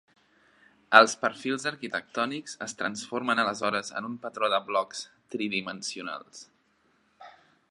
Els perfils arquitectònics es transformen aleshores en un patró de blocs tridimensionals.